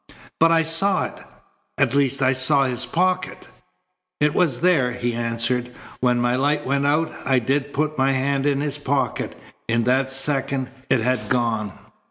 "But I saw it. At least I saw his pocket " "It was there," he answered, "when my light went out. I did put my hand in his pocket. In that second it had gone."